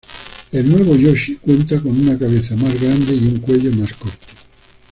El "nuevo" Yoshi cuenta con una cabeza más grande y un cuello más corto.